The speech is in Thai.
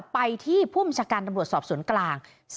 ๙ไปที่ผู้มีชาการตำรวจสอบศูนย์กลาง